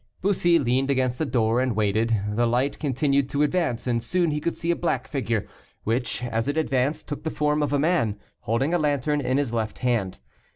Bussy leaned against a door, and waited. The light continued to advance, and soon he could see a black figure, which, as it advanced, took the form of a man, holding a lantern in his left hand.